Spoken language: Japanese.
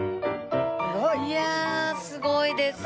いやすごいですね。